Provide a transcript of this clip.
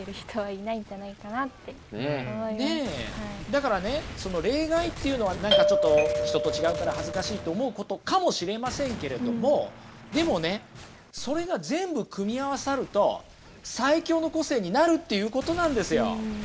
だからねその例外っていうのは何かちょっと人と違うから恥ずかしいと思うことかもしれませんけれどもでもねそれが全部組み合わさると最強の個性になるっていうことなんですよ。